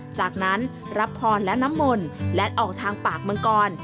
จากนั้นรับพรและน้ำมนต์และออกทางปากมังกร